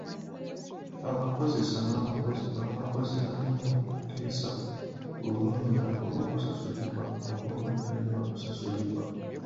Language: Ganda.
Abakozesa n'abakozi balina okuteesa ku luwummula olw'okusasulibwa oba olutali lwa kusasulibwa.